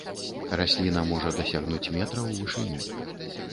Расліна можа дасягнуць метра ў вышыню.